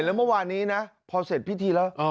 แล้วเมื่อวานนี้นะพอเสร็จพิธีแล้ว